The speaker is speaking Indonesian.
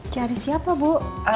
cari siapa bu